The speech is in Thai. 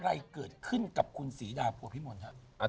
อะไรเกิดขึ้นกับคุณศรีดาพัวพิมลครับ